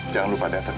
jangan lupa datang